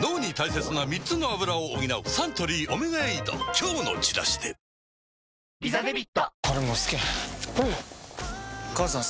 脳に大切な３つのアブラを補うサントリー「オメガエイド」今日のチラシでＣｏｍｅＯｎ！